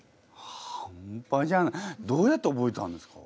半端じゃないどうやって覚えたんですか？